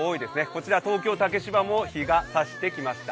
こちら、東京・竹芝も日が差してきました。